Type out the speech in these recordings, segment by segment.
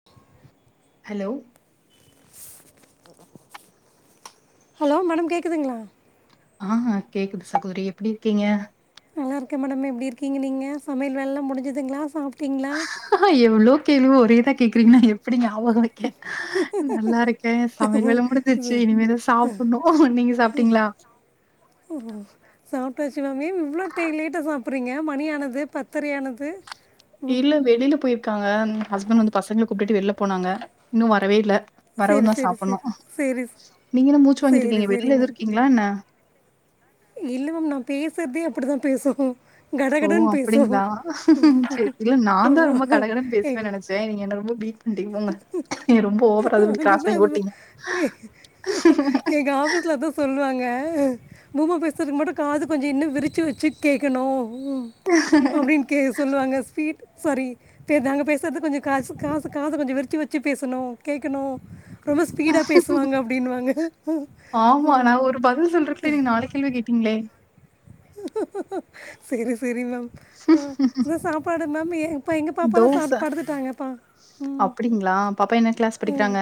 [inaudible] Hello [inaudible] hello madam கேக்குதுங்ளா ஆ கேக்குது சகோதரி எப்டி இருக்கீங்க நல்லாருக்கே மேடம் எப்டி இருக்கீங்க நீங்க சமையல் வேலல்லா முடிஞ்சதுங்களா சாப்ட்டீங்களா எவ்ளோ கேள்வி ஒரேதா கேக்குறீங்க நா எப்படி ஞாபக வக்கே நல்லாருக்கே சமையல் வேலை முடிசிச்சு இனிமேதா சாப் பனு நீங்க சாப்ட்டீங்களா [inaudible] சாப்டாச்சி மேம் ஏம் இவ்வளோ டைம் லேட்டா சாப்பிட்றீங்க மணியானது பத்திரை ஆனது இல்ல வெளில போயிருக்காங்க ஹஸ்பண்ட் வந்து பசங்கள கூப்ட்டுட்டு வெளில போனாங்க இன்னு வரவே இல்ல வரவு சரி தா சரி சரி சாப்பணு சரி நீங்க என்ன மூச்சு சரி வாங்கிட்ருக்கீங்க சரி வெளியில எது இருக்கீங்களா என்ன இல்ல மேம் நா பேசறதே அப்டிதா பேசும் ஓ கடகடன்னு பேசும் அப்டிங்களா சரிங்க நாந்தா ரொம்ப கடகடன் பேசுவே எங் நெனச்சே நீங்க என்ன ரொம்ப பீ பண்டிங் போங்க நீங்க ரொம்ப ஓவரா அது இப்டி கிராஸ் பண்ணி ஓட்டீங்க எங்க ஆபிஸ் ல அதா சொல்வாங்க பூமா பேசதுக்கு மட்டு காது கொஞ்ச இன்னு விரிச்சி வச்சு கேக்கணு அப்படின்னு கே சொல்லுவாங்க ஸ்வீட் சாரி நாங்க பேசுறது கொஞ்ச காசு காசு காத கொஞ்ச விரச்சி வச்சு பேசணு கேக்கணு ரொம்ப ஸ்பீடா பேசுவாங்க அப்படின்வாங்க ஆமா நா ஒரு பதில் சொல்றதுக்குள்ள அ நீங்க நாலு கேள்வி கேட்டீங்களே செரி செரி மேம் ஆ என்ன சாப்பாடு மேம் எ எங்க பாப்பாலா சாப்டு படுத்துட்டாங்கப்பா ம் அப்படிங்ளா பாப்பா என்ன க்ளாஸ் ம் படிக்கிறாங்க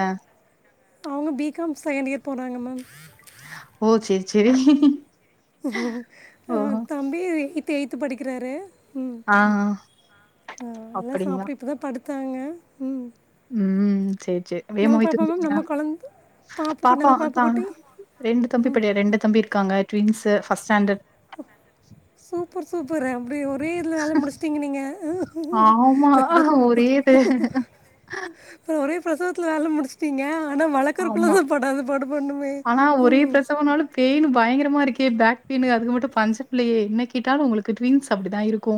அவங்க பி காம் செகண்ட் இயர் போறாங்க மேம் ஓ செரி செரி அ தம்பி எயித் எயி்த்த படிக்கிறாரு ம் ஆ ஆ எல்லா அப்படிங்களா? சாப்ட்டு இப்பதா படுத்தாங்க ம் ம் சேரி சேரி நம்ம வேமா வீட்டு பாப்பா மேம் வந்ட்டீயா நம்ம குழந்த பாப்பு கு- பாப்பா நம்ம பாப்பு தா குட்டி ரெண்டு தம்பி படி ரெண்டு தம்பி இருக்காங்க ட்வீன்ஸ்சு ஃபர்ஸ்ட் ஸ்டாண்டர்ட் சூப்பர் சூப்பர ஒரு ஒரே இதுல தான முடிச்சிட்டிங்க நீங்க ஆமா. ஒரே இது. அப்பற ஒரே பிரசவத்துல வேல முடிச்சுட்டீங்க ஆனா வழக்கறக்குள்ள ஆமா. தா பாடத பாடு பாடணுமே ம் பெயின்னு பயங்கரமா இருக்கே பேக் பெயின்னு அதுக்கு மட்டு பஞ்ச பலையே என்ன கேட்டாலு உங்களுக்கு ட்டுவின்ஸ் அப்படிதா இருக்கு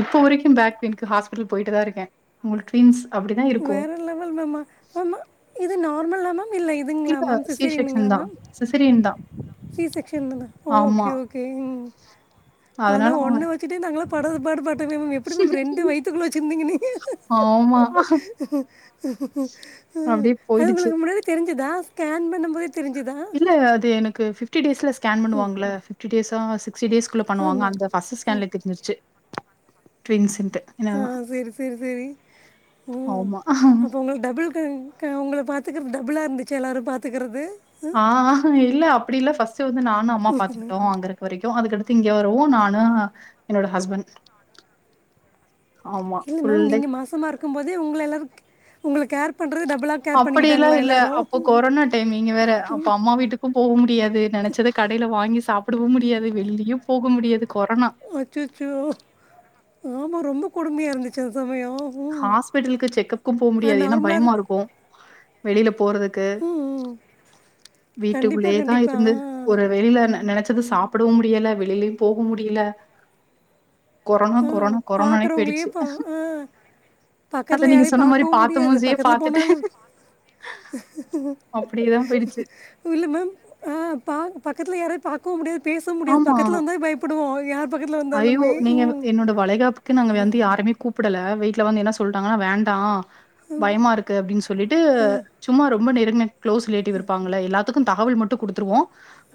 இப்ப வரைக்கும் பேக் பெயின்க்கு ஹாஸ்பிட்டல் போயிட்டு தா இருக்கே உங்களுக்கு ட்வீன்ஸ் அப்படிதா இருக்கு வேறு லெவல் மேம்மா மேம்மா இது நார்மல் மேம இல்ல இது இதுங்களா இல்ல மேம் சி சிசேரின்ங்களா செக்ஷன் தான். மேம் சிசேரியன் தான். சீ செக்ஷன்னது ஆ ஆமா. ஓகே ஓகே ம் அதனால பேகல வெச்சிட்டு நாங்களா படாத பாடு பட்டோ எப்படி மேம் ரெண்டு வயித்துக்குள்ள வச்சிருந்தீங் நீங்க ஆமா அப்டியே அது போயிடுச்சு. உங்களுக்கு முன்னாடி தெரிஞ்சதா கேன் பண்ணூ போதே தெரிஞ்சுதா இல்ல அது எனக்கு ஃபிப்டி டேஸ்ல ஸ்கேன் ஸ்கேன் பண்ணுவாங்க இல்ல ஃபிப்டி டேஸ்ஹா சிக்ஸ்டி டேஸ் குள்ள பண்ணுவாங்க ஆமாம் அந்த ஃபர்ஸ்ட் ம் ஸ்கேன்ல தெருஞ்சிடுச்சு ட்டிவின்ஸ்ன்டு ஆ செரி செரி செரி ம் ஆமா. அப்போ உங்களுக் டபுள் ன்டு க உங்களை பார்த்துக்கறது டபுளா இருந்துச்சா எல்லாரூ பார்த்துக்கறது ஆ இல்ல அப்படி இல்ல பர்ஸ்ட் வந்து நானூ அம்மாவூ பாத்துக்கிட்டோ அங்க ‌இருக் வரைக்கூ அதுக்கடுத்து இங்க வருவோ நானூ என்னோட ஹஸ்பண்ட் ஆமா ஃபுல் டே போதே உங்கள ‌எல்லாரூ கேர் பண்றது டபுளா அப்படி எல்லா இல்ல அப்போ கொரோனா டைம் நீங்க வேற அப்பே அம்மா வீட்டுக் போக முடியாது நினைச்சத கடயில வாங்கி சாப்பிடவூ முடியாது வெள்ளியூ போக முடியாது கொரோனா அச்சச்சே ஆமா ரொம்ப கொடுமையா இருந்துச்சு அந்த சமயே ஹாஸ்பிட்டலுக்கு செக்கபுக்கூ போக முடியாது ஏன்னா நார்மலாக பயமா இருக்கு இருக்கூ வெளியில போறதுக்கு ம் ம் க்கு கண்டிப்பாக வீட்டுக்குள்ளயேதா கண்டிப்பாக இருந்து ஒரு வெளியில நெனைச்சத சாப் பிடவும் முடியல வெளியிலயூ போக முடியல கொரோனா ஆ ஆ கொரோனா கொரோனானே பார்க்குறவங்களையே பேயிடுச்சு பா ஆ அத பக்கத்தில் நீங்க யாரையும் சொன்ன மாதிரி பார்க்கவும் பாத்த முடியாது மோ்சே பக்கத்தில் பாத்துட்டே போனாலும் அப்படியேதா போயிடுச்சு இல்ல மேம் அ பா பக்கத்துல யாரெய் பாக் கவூம் முடியாது பேச முடியாது ஆமா. பக்கத்துல வந்தா பயப்படுவோ யார் பக்கத்துல ஐயோ! வந்தாலுமே நீங்க ம் என்னோட வளைகாப்புக்கு நாங்க வந்து யாருமே கூப்பிடல வீட்ல வந்து என்ன சொல்டாங்கனா வேண்டாம் பயமா இருக்கு அப்படின் சொல்லிட்டு சும்மா ரொம்ப நெருங்க க்ளோஸ் ரிலேட்டிவ் இருப்பாங்கில்ல எல்லாத் துக்கூ தகவல் மட்டூ குடுத்துருவோ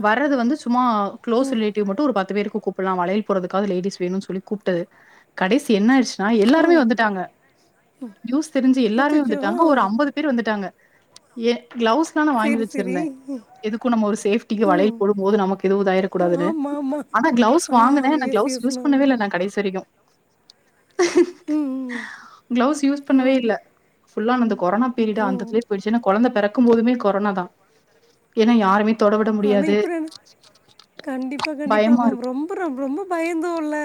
வர்றது வந்து சுமம க்ளோஸ் ம் ரிலேட்டிவ் மட்டூ ஒரு பத்து பேருக்கு கூப் பல்லா வளையல் போறதுக்காக லேடிஸ் வேணுன்னு சொல்லி கூப்பிட்டது கடைசி என்ன ‌ஆயிட்ச் எல்லாருமே ம் வந்துட்டாங்க நியூஸ் தெரிஞ்சு எல்லாருமே அச்சோ ஆ வந்துட்டாங்க ஒரு அம்பதுக் பேரூ வந்துட்டாங்க ஏங் கிளவுஸ் வாங்கி சரி சரி வச்சிருந்தே எதுக்கூ நம்ம ஒரு சேஃப்டிக்கு ம் வளயல் போடும் போது நமக்கு எதுவூ ஆயிரக் கூடாதுன்னு ஆமாம் ஆமாம் ஆனா கிளவுஸ் ஆ வாங்குனே எஸ் கிளஸ் எஸ் யூஸ் மேம் பண்ணவே இல்ல நா கடசி வரைக்கூ ம் ம் கிளவுஸ் யூஸ் பண்ணவே ம் இல்ல் ஃபுல்ல ‌அந்த கொரோனா பீரியட் அந்த ம் எடத்துல போயிடுச்சு ஏன்னா குழந்தை பெறக் கும் போதுமே கொரோனா தா ஏன்னா யாருமே தொட விட ஆனா முடியாது. இப்படி நடந் கண்டிப்பா கண்டிப்பா பயமா மேம் இருக்கும். ரொம்ப ரொம்ப பயந்தோ இல்ல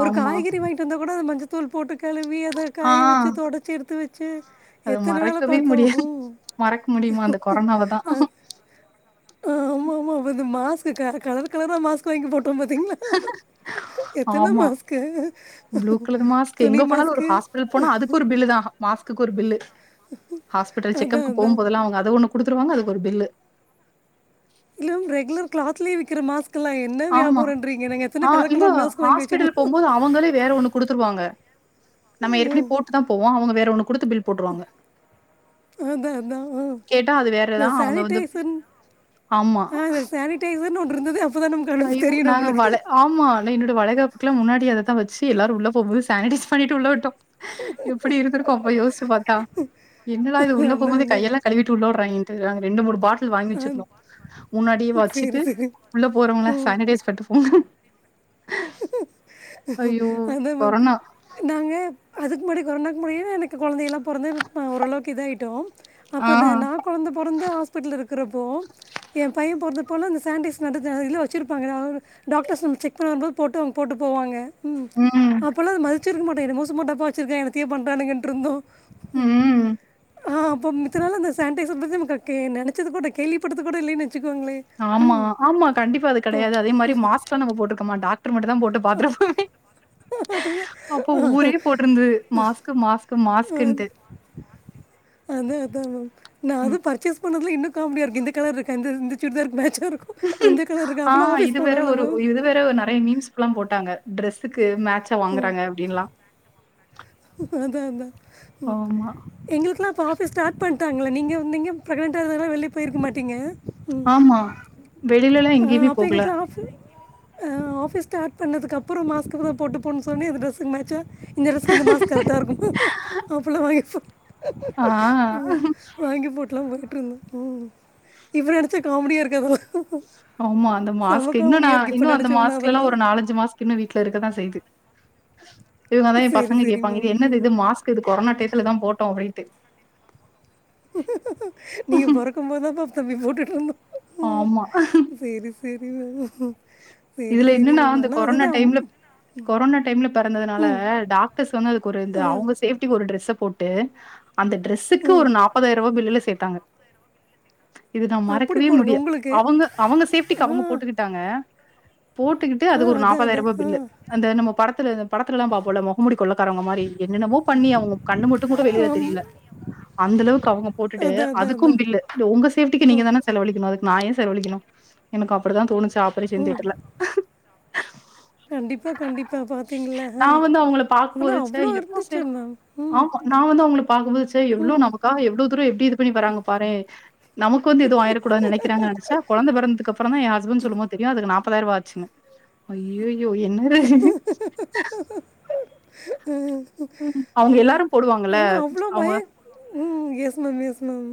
ஒரு ஆமா. காய்கறி வாங்கிட்டு வந்தா கூட மஞ்சத்தூள் போட்டு கழுவி அத ஆ காய வெச்சி தொடடைச்சி எடுத்து வெச்சி அத எத்தன வேல மறக்கவே பார்த்தோ முடியாது. மறக்க முடியுமா அந்த கொரோனாவதா ஆ ஆமா ஆமா அப்ப வந்து மாஸ்க் க கலரா கலரா மாஸ்க் வாங்கி போட்டோ பாத்தீங்களா ஆமா க்கு ப்ளூ கலர் மாஸ்க் எங்க போனாலூ ஒரு ஹாஸ்பிட்டல் போனா அதுக்கு ஒரு பில் தா மாஸ்குக்கு ஒரு பில்லு ஹாஸ்பிட்டல் அதான் செக்கப்க்கு போகும் அதான் போதல்லா அவங்க அத ஒன்னு குடுத்துருவாங்க அதுக்கு ஒரு பில்லு இல்ல ரெகுலர் க்லாத்லயே விக்கிற மாஸ்க் ஆமா ஆ இல்ல கலர் மாஸ்க் வாங்கி ஹாஸ்பிட்டல் வச்சுருந்தோம் போம்போது அவங்களே வேற ஒன்னு குடுத்துருவாங்க நம்ம ஏற்கனவே போட்டு தா போவோ அவுங்க வேற ஒன்னு குடுத்து பில் போட்ருவாங்க அதான் அதான் ஆ கேட்டா அது இந்த வேறதா அவுங்க வந்து சானிடைசர் ஆமா டேய் இதுன் ஒன்ருந்தது அப்பதா நமக்கு கண்ணுக்கு ஐயோ! தெரியு நாங்க நம்மளுக்கு வள ஆமா நா என்னுடைய வளைகாப்புக்கலா முன்னாடி அததா வச்சு எல்லாரு உள்ள போம்போது சானிடைஸ் பண்ணிட்டு உள்ள விட்டோ எப்புடி இருந்திருக்கோ அப்ப யோஸ்ச்சு பாத்தா என்னடா இது உள்ள அதான் போம்போதே அதான் கையல்லா கழுவிட்டு உள்ள விட்றாய்ங்கன் ட்டு நாங்க ரெண்டு மூணு பாட்டில் வாங்கி ஆ வச்சிருந்தோ முன்னாடியே வச்சுட்டு சரி சரி இந்தாங்க ம் சானிடைய்ஸ் பண்டு போங்க ஐயோ அதா மேம் கொரனா நாங்க அதுக்கு முன்னாடி கொரனாக்கு முன்னாடியே எனக்கு கொழந்தையல்லா பொறந்து நா ஓரளவுக்கு இதாய்ட்டோ ஆ. அப்ப நா நா கொழந்த பொறந்து ஹாஸ்பிட்டல இருக்குறப்போ எ பையே பொறந்தப்போலா இந்த சானிடைஸ் மட்டுந்தான இதுல வச்சுருப்பாங்க நா ஒரு டாக்டர்ஸ் வந்து செக் பண்ணு வரும் போது போட்டு அவுங்க போட்டு போவாங்க ம் அப்போலா இத மதிச்சிருக்க மாட்டோ என்னமோ சும்மா டப்பா வச்சுருக்காய்ங்க எனத்தையோ பண்ணறானுங்கன்ருந்தோ ம். ஆ அப்பம்மு இத்தன்னால அந்த சானிடைசர் பத்தி நமக்கு கே நெனச்சது கூட கேள்விபட்டது கூட இல்லேன் வச்சுக்கோங்ளே ஆமா ஆமா கண்டிப்பா அது கெடையாது அதே மாரி மாஸ்க்லா நம்ம போட்ருக்கம்மா டாக்டர் மட்டுந்தா போட்டு பாத்துருப்பே அதுதா அப்ப ஆ ஊரே போட்டிருந்தது மாஸ்க்கு மாஸ்க்கு மாஸ்குன்ட்டு அதா அதா மேம் நா அது ம். பர்ச்சேஸ் பண்ணதுல இன்னு காமடியா இருக்கு இந்த கலர் இருக்கா இந்த இந்த சுடிதார்க்கு மேச்சா இருக்கு அந்த கலர் இருக்கா ஆ அதலா ஆஃபீஸ் இது வேற போனால ஒரு மேம் இது வேற நெறைய மீம்ஸ்கலா போட்டாங்க டிரெஸ்ஸுக்கு மேச்சா வாங்கறாங்க அப்டின்லா அதா அதா ம் ஆமா, எங்களுக்கல்லா அப்ப ஆஃபிஸ் ஸ்டாட் பண்ட்டாங்களே நீங்க நீங்க ப்ரக்னன்டா இருந்தனால வெளிய போயிருக்க மாட்டீங்க ஆமா வெளிலேலா ஆ அப்ப எங்களுக்கலா ஆஃப்பு அ ஆஃபீஸ் ஸ்டாட் பண்ணதுக்கப்பறோ மாஸ்கு தா போட்டு போணுன் சொன்னி அது ட்ரெஸுக்கு மேச்சா இந்த ட்ரெஸுக்கு இந்த மாஸ்க்கு கரெக்டா இருக்கு அப்பல்லா வாங்கிப்போ ஆ ம் வாங்கி போட்லா போயிட்ருந்தோ ம் இப்ப நெனச்சா காமடியா இருக்கு அதல்லா ஆமா அந்த மாஸ்க்கு இன்னு நா இன்னு அந்த நினச்சோம்னா மாஸ்க்லலா அதெல்லாம் ஒரு நாலஞ்சு மாஸ் க்கு இன்னு வீட்ல இருக்கதா செய்து இவங்கதா எ சரி பசங்க சரி கேப்பாங்க மேம் இது என்னது ம் இது மாஸ்க் கு இது கொரனா டைத்ல தா போட்டோ அப்டின்ட்டு நீங்க பொறக்கும்போதுதா பா தம்பி போட்டுட்ருந்தோ ஆமா சேரி சேரி இதுல என்னனா அந்த கொரோனா டைம்ல கொரானா டைம்ல பெறந்ததுனால ம் டாக்டர்ஸ் வந்து அதுக்கு ஒரு இந்த ஆ அவுங்க சேஃப்டிக்கி ஒரு ட்ரெஸ்ஸ போட் ட்டு அந்த டிரெஸுக்கு ஒரு நாப்பதாயிர ரூவா பில்லுல சேத்தாங்க இது நா அப்படி மறக்கவே போடுங்க முடியா உங்களுக்கு அவங்க அவங்க சேஃப்ட்டிக்கு ஆ அவங்க போட்டுக்கிட்டாங்க போட்டுக்கிட்டு ஆ அதுக்கு ஒரு அதான் நாப்பதாயிர அதான் ரூவா ஆ பில்லு அந்த நம்ம படத்துல படத்துலல்லா பாப்போல்ல மொகமுடி கொள்ளக்காரங்க மாரி என்னன்னமோ பண்ணி அவுங்க கண்டு மட்டுங் கூட வெளில ஆம் தெரில அந்த அளவுக்கு அவுங்க போட்டுட்டு அதான் அதான் அதுக்கு அதான் பில்லு உங்க சேப்டிக்கு நீங்க தான செலவழிக்கணு அதுக்கு நாயே செலவழிக்கணு எனக்கு அப்டி தா தோனுச்சி ஆப்ரேஷன் தேட்டர்ல கண்டிப்பா கண்டிப்பா பாத்தீங்கள்ள ஆ நான் வந்து அவங்கள ஆனா பாக்கும்போது, அவ்ளோ இருந்துச்சு மேம் ம் நா வந்து அவுங்கள பாக்கு போது சே எவ்ளோ ம் நமக்காக எவ்ளோ தூரோ எப்டி இது பண்ணி வறாங்க பாறே நமக் வந்து எதுவு ஆயிர கூடாது நெனைக்கறாங்க நெனச்சா கொழந்த பொறந்தத்க்கு அப்புற தா எ ஹஸ்பன்ட் சொல்லு போது தெரியு அதுக்கு நா முப்பதாய ரூவா ஆச்சின்னு அய்யயோ என்னடா இது ம் அவுங்க எல்லாரு போடுவாங்கல்ல அவங்க பயே ம் எஸ் மேம் எஸ் மேம்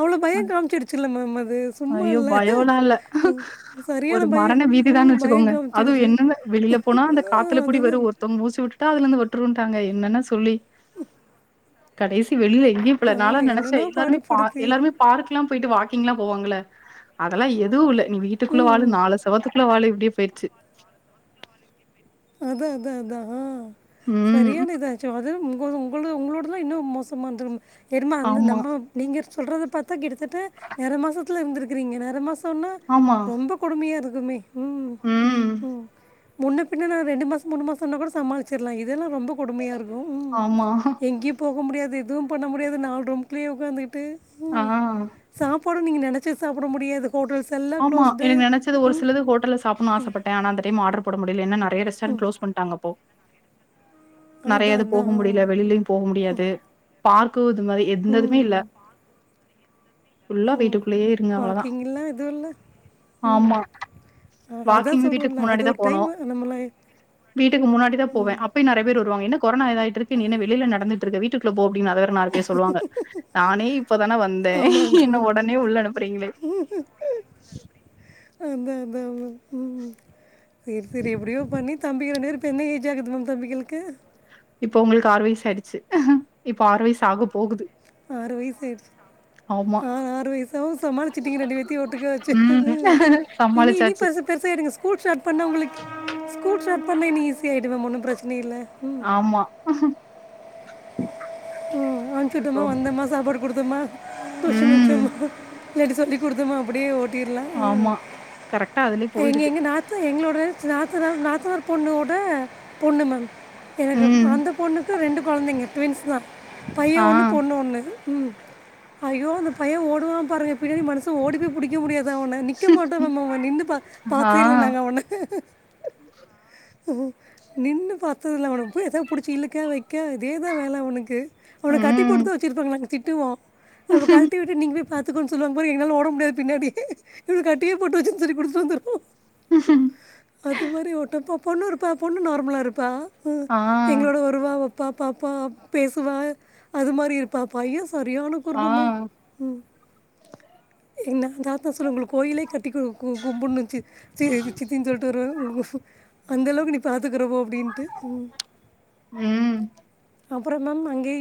அவ்ளோ பயோ அ காம்ச்சிடிச்சில்ல மேம் அது சும்மா ஐயோ இல்லை பயோலா இல்ல ம், சரியான ஒரு பயம் மரண பீதிதான் ம் பயம் வச்சுக்கோங்க அதுவு காமிச்சிடுச்சு என்னன்ன வெளியில போனா அந்த காத்துல கூடி அதுதான் வரு ஒருத்தங்க மூச்சு வுட்டுட்டா அதுல இந்து ஒட்டுருவன்டாங்க என்னென்ன சொல்லி கடைசி வெளியில எங்கியு போல ஆ நாலா நெனச்ச என்னென்னா எல்லாருமே பா பாடுபடுத்தி எல்லாருமே பார்க்லா போயிட்டு வாக்கிங்லா போவாங்கள்ள அதெல்லா எதுவு இல்ல நீ வீட்டுக்குள்ள ம் வாழு ம் நாலு செவுத்துக் குள்ள வாழு இப்டியே போய்டுச்சி அதா அதா அதா ம். சரியான இதாச்சே அதுவு [unintelligible] அவுங்க உங்களோட தா இன்னு மோசமா இருந்து எரும அந்த ஆமா, நம்போ நீங்க சொல்றத பாத்தா கிட்டத்தட்ட நெற மாசத்ல இருந்திருக்கிறீங்க நெற மாசோன்னா ஆமா. ரொம்ப கொடுமையா இருக்குமே ம் ம் முன்ன பின்னனா ரெண்டு மாசோ மூணு மாசன்னா கூட சமாளிச்சிர்லா இதெல்லா ரொம்ப கொடுமையா இருக்கு ம் ஆமா. எங்கியு போக முடியாது எதுவு பண்ண முடியாது நாலு ரூம் குள்ளயே உக்காந்துக்கிட்டு ஆ. ம் சாப்பாடு நீங்க நெனச்ச சாப்ட முடியாது ஹோட்டல்ஸ் எல் ஆமா எனக்கு நெனச்சது ஒரு சிலது ஹோட்டல்ல சாப்புன்னு ஆச பட் ட ஆனா அந்த டைம் ஆடர் போட முடியலைன்னா நெறைய ரெஸ்டாரண்ட் க்ளோஸ் பண்டாங்க அப்போ நெறையா அதான் இது போகவு அதான் முடியல வெளியிலயு போக முடியாது பார்க்கு இது மாரி எந்ததுமே இல்ல ம் ஃபுல்லா வீட்டுக்குள்ளேயே இருங்க அவ்ள தா எல்லா இதுல்ல ஆமா அதான் வாக்கிங் வீட்டுக் சொல்கிறேன்ல முன்னாடி அது தா ஒரு போனு டைம் நம்மளாம் வீட்டுக் முன்னாடி தா போவே அப் பியு நெறைய பேர் வருவாங்க என்ன கொரோா இதாய்ட் இருக்கு நீ என்ன வெளியில நடந்துட் இருக்க வீட்டுக்குள்ள போ அப்படின் அத வேற ஒரு நாலு பேர் சொல்வாங்க நானே இப்ப தான வந்தே என்ன ஒடனே உள்ள அனுப்புறீங்ளே அதா அதா ம் ம் செரி செரி எப்டியோ பண்ணி தம்பிக ரெண்டு பேரு இப்ப என்ன ஏஜ் ஆகுது மேம் தம்பிகளுக்கு இப்ப உங்களுக்கு ஆறு வயசு ஆயிடுச்சு இப்ப ஆறு வயசு ஆக போகுது ஆறு வயசு ஆயிடுச் ஆமா ஆ ஆறு வயசாவு சமாளிச்சிட்டீங்க ரெண்டு பேத்தையு ஓட்டுக்காச்சு ம் இனி இனி சமாளிச்சாச்சு பச பெருசாய்டுங்க ஸ்கூல் ஸ்டாட் பண்ணா உங்களுக்கு ஸ்கூல் ஸ்டாட் பண்ணா இன்னு ஈஸி ஆய்டு மேம் ஒன்னு பிரச்சன இல்ல ம் ஆமா ம் அனுச் இப்போ வுட்டமா வந்தமா சாப்பாடு குடுத்தமா டியூஷன் ம் வச்சமா இல்ல இப்டி சொல்லி் குடுத்தமா அப்டியே ஓட்டிர்லா ம் ஆமா கரெக்டா அதுலயே எங்க போயிடுது எங்க நா த எங்களோட நாத்தனார் நாத்தனார் பொண்ணோட பொண்ணு மேம் எனக்கு ம் அந்த பொண்ணு ரெண்டு கொழந்தைங்க டுவின்ஸ் தா பைய ஆ ஒன்னு பொண்ணு ஒன்னு ம் ஐயோ அந்த பைய ஓடுவா பாருங்க பின்னாடி மனுச ஓடி போய் புடிக்க முடியாது அவன நிக்க மாட்டா மேம் அவ நின்று பா ஆ பாத்தில்ல நாங்க அவன ஓ நின்னு பாத்ததுல்ல அவன போய் எதா புடிச்சு இழுக்க வெக்க இதேதா வேல அவுனுக்கு அவன கட்டி ம் போட்டுதா வெச்சுருப்பாங்க நாங் திட்டுவா அவ கல் டி விட்டு நீங் போய் பாத்துக்கோன் சொல்வாங் பார் எங்னாளா ஓட முடியாது பின்னாடி இவனு கட்டியே போட்டு வச்சுன் சொல்லி குடுத்துரு வந்துர்வோ [unintelligible] அது மாரி ஒட்டப்பா பொ பொண்ணுருப்பா பொண்ணு நார்மலா இருப்பா ஆ எங்களோட வருவா வப்பா பாப்பா பேசுவா அது மாரி இருப்பா பைய சரியான ஆ குறும்பு மா ம் என்ன தாத்தா சொல் உங்கள்க்கு கோயிலே கு கும்புன்னுச்சி சி சித்தின் சொல்ட் வருவ அந்த அளவுக்கு நீ பாத்துக்குற போ அப்டின்ட்டு ம் அப்புற மேம் அங்கே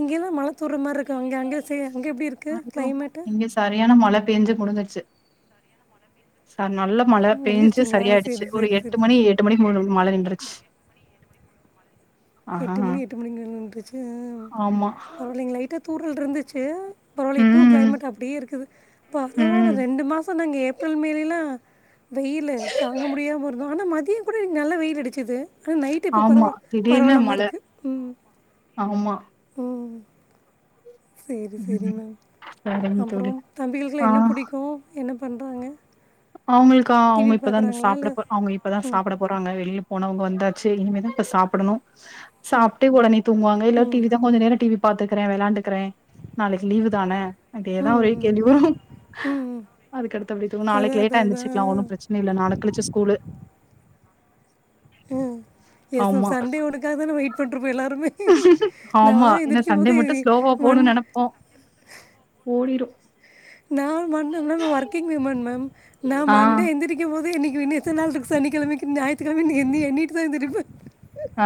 இங்கெல்லா மழை தூர்ற மாரி இருக்கு அங்க அங்கே சே அங்க எப்டி இருக்கு ஐயோ க்ளைமேட்டு இங்க சரியான மழ பேஞ்சு முடு்ஞ்சுட்ச்சு ச நல்ல மழ போஞ்சு முடிஞ்சிருச்சிங்களா சரியாயிடுச்சு சரி ஒரு சரி எட்டு சரி மணி எட்டு மணிக்கு முன்னு மழ நின்றுச் எட்டு மணி எட்டு மணிக்கு நின்றுச்சு அ ஆமா பரவால்ல இங்க லைட்டா தூரல்ருந்துச்சு பரவால்ல இப்பவு ம் க்ளைமேட் அப்டியே இருக்குது பரவால ம் ரெண்டு மாசந்தா இங்க ஏப்ரல் மேலேல்லா வெயிலு தாங்க முடியாம இருந்தோ ஆனா மதிய கூட எனக்கு வெயில் அடிச்சிது ஆனா நைட்டு் இப்ப ஆமா பரவா திடீர்னு மழ ஆமா சேரி சேரி ம் மேம் சரிங்க அப்புற தோழி தம்பிகளுக்லா ஆ என்ன புடிக்கு என்ன பண்றாங்க அவுங்குள்க்கா அவுங்க இப்பதா இந்த சாப்புட இல்லை அவுங்க இப்பதா ம் சாப்புட போறாங்க வெளில போனவுங்க வந்தாச்சு இனிமேதா இப்ப சாப்புடணு சாப்ட்டு ஒடனே தூங்குவாங்க இல்ல ம் டிவிதா கொஞ்ச நேர டிவி பாத்துக்குறே வெளாண்டுக்குறே நாளைக்கு லீவு தான ம் அதேதா ஒரே ம் கேள்வி வரு ம் ம் அதுக்கடுத்தப்டி தூங் நாளைக் அதான் லேட் ட அதான் எந்துர்ச்சுக்லா ஒன்னு அதான் பிரச்சன இல்ல நாள கழிச்சி ஸ்கூலு அ எஸ் மேம் ஆமா சண்டே ஒன்னுகாக் தா வெயிட் பண்ட்ருப்போ எல்லாருமே நானு எந்துரிக்கும்போது ஒன் ஒ ஓடிரு நா மன்னு மேம் நா ஒர்க்கிங் விமன் மேம் நா ஆ மண்டே எந்துரிக் கிம்போது என்னிக்கு நி இன்னு எத்தன் நாள் இருக்கு சனிக்கெழமைக்கு ஞாயித்துக்கெழமைக்கு எண்ணிட்டு தா எந்துரிப்ப ஆ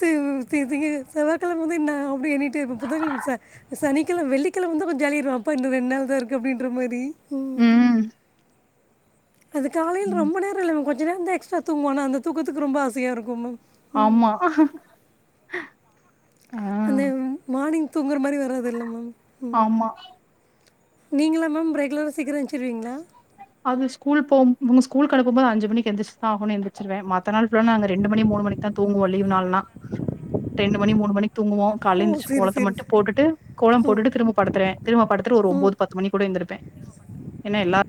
சிவ் தி திங்க செவ்வாகெழம வந்து இன் நா அப்டி எண்ணிட்டே இருப்ப புதன்கெழம சாய் சனிக்கெழம் வெள்ளிக்கெழம வந்தா கொஞ்ச ஜாலி இரு அப்பா இன்னு ரெண் நாள்தா இருக்கு அப்டின்ற மாரி ம் அது காலைல் ரொம்ப நேர இல மேம் கொஞ்ச நேர தா எக்ஸ்ட்ரா தூங்வோ ஆனா அந்த தூக்கத்துக்கு ரொம்ப ஆசையா இருக்கும் மேம் ம் ஆம்மா அந்தேம் மானிங் தூங்குற மாரி வராது இல்ல மேம் ம் ஆமா நீங்களா மேம் ரெகுலெரா சீக்கிர ஏஞ்ச்சுருவீங்ளா அது ஸ்கூல் போம் இவுங்க ஸ்கூல்க் அனுப்பும்போது அஞ்சு மணிக் எந்துர்ச்சிதா ஆகனு எந்துர்ச்சிருவ மத்த நாள் ஃபுல்லா நாங்க ரெண்டு மணி மூணு மணிக் தா தூங்குவோ லீவ் நாள்னா ரெண்டு மணி மூணு மணிக் தூங்குவோ கால்ல ஓ எந்துச்சு சரி கோலத்த சரி மட்டு சரி போட்டுட்டு கோலம் ஓ போட்டுட்டு திரும்ப படுத்துருவே திரும்ப படுத்துட்டு ஒரு ம் ஒம்போது பத் பத்து மணிக்கி கூட எந்திருப்பே ஏன்னா எல்லார்